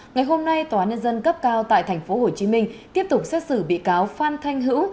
ngày hôm nay tòa nhân dân cấp cao tại tp hcm tiếp tục xét xử bị cáo phan thanh hữu